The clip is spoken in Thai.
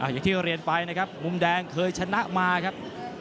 อย่างที่เรียนไปนะครับมุมแดงเคยชนะมาครับ